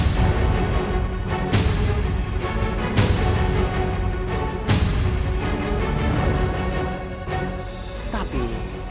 dan mencari tempat untuk berbicara